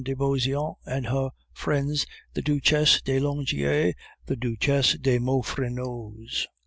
de Beauseant and her friends the Duchesse de Langeais and the Duchesse de Maufrigneause.